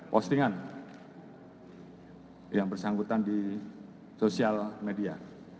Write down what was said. postingan yang bersangkutan di sosial media